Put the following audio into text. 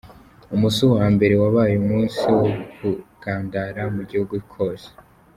Umusu wa mbere wabaye umusi wo kugandara mu gihugu cose.